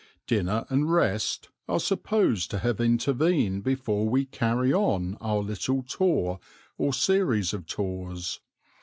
Dinner and rest are supposed to have intervened before we carry on our little tour or series of tours.